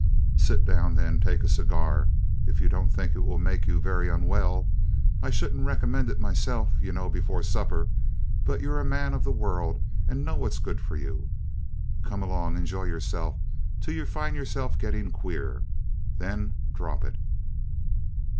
Sit down then, take a cigar, if you don't think it will make you very unwell. I shouldn't recommend it myself, you know, before supper but you're a man of the world and know what's good for you. Come along, enjoy yourself till you find yourself getting queer then drop it."